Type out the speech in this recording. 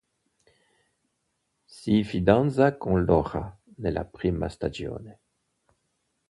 Si fidanza con Laura nella prima stagione.